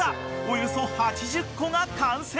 およそ８０個が完成］